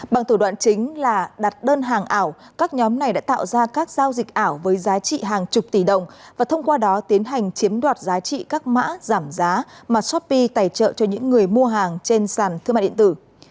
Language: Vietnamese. bằng thủ đoạn chính là đặt đơn hàng ảo các nhóm này đã tạo ra các giao dịch ảo với giá trị hàng chục tỷ đồng và thông qua đó tiến hành chiếm đoạt giá trị các mã giảm giá mà shopee tài trợ cho những người mua hàng trên sàn thương mạng điện tử